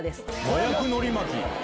「麻薬のり巻き」。